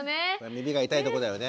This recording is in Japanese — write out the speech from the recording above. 耳が痛いとこだよね。